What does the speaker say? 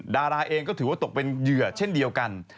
ดาราเองก็ถือว่าตกเป็นเหยื่อเช่นเดียวกัน